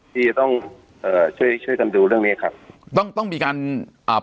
ที่จะต้องเอ่อช่วยช่วยกันดูเรื่องเนี้ยครับต้องต้องมีการอ่า